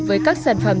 với các sản phẩm